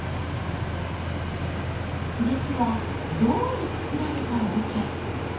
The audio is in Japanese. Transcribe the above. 実は銅で作られたおけ。